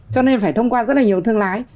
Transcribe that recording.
cho nên phải thông qua rất là nhiều thương lái